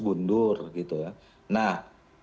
mundur gitu ya nah